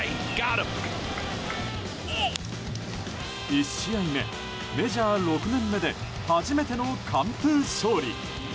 １試合目、メジャー６年目で初めての完封勝利。